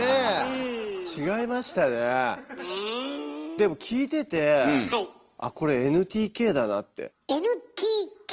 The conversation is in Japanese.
でも聞いててあっこれＮＴＫ！